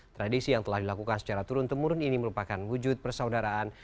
tradisi yang telah dilakukan secara turun temurun ini merupakan wujud persaudaraan